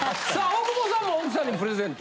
大久保さんも奥さんにプレゼント？